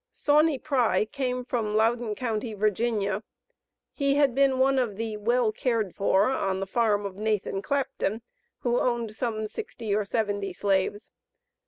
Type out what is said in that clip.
Sauney Pry came from Loudon Co., Va. He had been one of the "well cared for," on the farm of Nathan Clapton, who owned some sixty or seventy slaves.